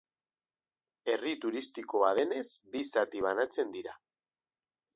Herri turistikoa denez, bi zati banatzen dira.